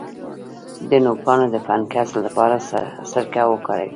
د نوکانو د فنګس لپاره سرکه وکاروئ